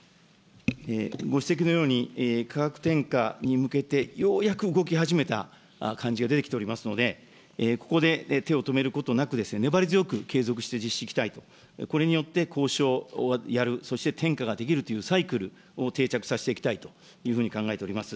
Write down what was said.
ご指摘のように、価格転嫁に向けてようやく動き始めた感じが出てきておりますので、ここで手を止めることなく、粘り強く継続して実施していきたいと、これによって、交渉をやる、そして転嫁ができるというサイクルを定着させていきたいというふうに考えております。